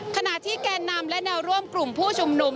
ขณะที่แกนนำและแนวร่วมกลุ่มผู้ชุมนุม